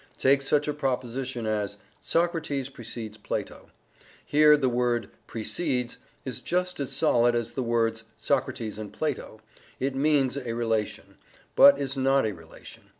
Take such a proposition as "Socrates precedes Plato." Here the word "precedes" is just as solid as the words "Socrates" and "Plato"; it MEANS a relation, but is not a relation.